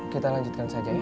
kita lanjutkan saja ya